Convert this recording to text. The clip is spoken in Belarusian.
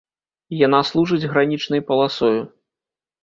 Яна служыць гранічнай паласою.